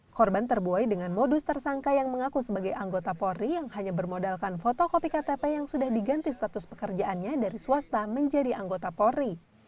korban terbuai dengan modus tersangka yang mengaku sebagai anggota polri yang hanya bermodalkan fotokopi ktp yang sudah diganti status pekerjaannya dari swasta menjadi anggota polri